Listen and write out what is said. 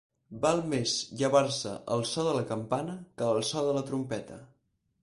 Val més llevar-se al so de la campana que al so de la trompeta.